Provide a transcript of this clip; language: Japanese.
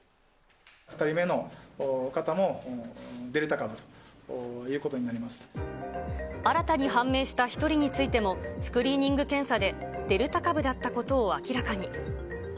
２人目の方もデルタ株という新たに判明した１人についても、スクリーニング検査でデルタ株だったことを明らかに。